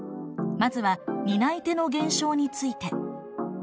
まずは「担い手の減少」について。